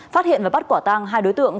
phát hiện và bắt quả tang hai đối tượng